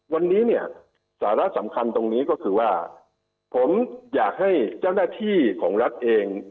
วันนี้เนี่ยสาระสำคัญตรงนี้ก็คือว่าผมอยากให้เจ้าหน้าที่ของรัฐเอง